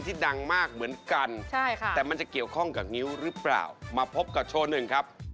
ดังมากเหมือนกันใช่ค่ะแต่มันจะเกี่ยวข้องกับงิ้วหรือเปล่ามาพบกับโชว์หนึ่งครับ